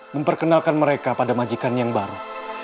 memperkenalkan mereka pada majikan yang baru